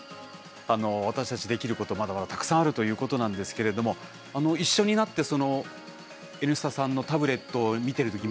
私たちできることまだまだたくさんあるということなんですけれども一緒になって「Ｎスタ」さんのタブレットを見てるとき